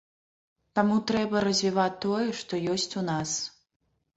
Таму трэба развіваць тое, што ёсць у нас.